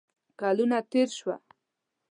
کلونه تیر شوه